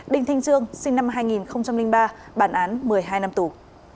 đình thanh trương sinh năm hai nghìn ba bản án một mươi hai năm tù